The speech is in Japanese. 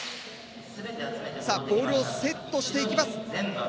さあボールをセットしていきます。